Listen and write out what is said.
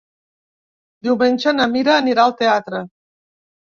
Diumenge na Mira anirà al teatre.